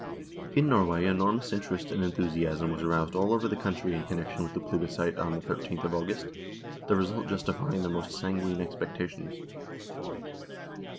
In Norway enormous interest and enthusiasm was aroused all over the country in connection with the plebiscite on the I3th of August, the result justifying the most sanguine expectations.